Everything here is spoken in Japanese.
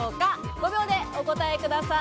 ５秒でお答えください。